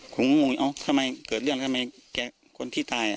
ผมก็งงเอ้าทำไมเกิดเรื่องทำไมแกคนที่ตาย